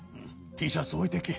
Ｔシャツおいてけ。